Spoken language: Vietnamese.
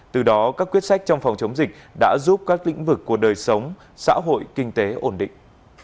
từ đó các quyết sách trong phòng chống dịch đã giúp các lĩnh vực của đời sống xã hội kinh tế ổn định